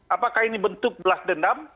apakah ini bentuk belas dendam